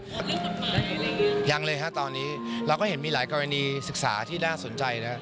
เรื่องประมาณอะไรอย่างนี้หรือยังเลยครับตอนนี้เราก็เห็นมีหลายกรณีศึกษาที่น่าสนใจนะครับ